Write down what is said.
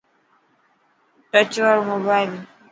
ٽچ واڙو موبائل.